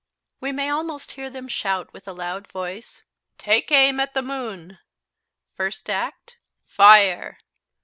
We may almost hear them shout with a loud voice: "Take aim at the moon." First act, "Fire."